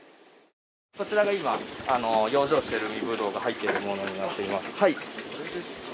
こちらが今、養生している海ぶどうが入っているものになります。